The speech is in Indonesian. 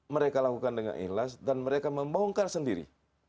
mereka lakukan dengan ikhlas dan mereka membongkar sendiri